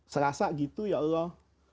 selasa gitu ya allah